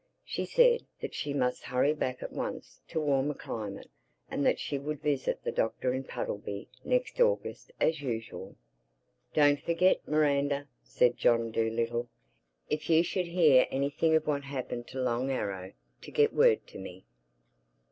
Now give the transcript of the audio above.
She said that she must hurry back at once to a warmer climate; and that she would visit the Doctor in Puddleby next August as usual. "Don't forget, Miranda," said John Dolittle, "if you should hear anything of what happened to Long Arrow, to get word to me."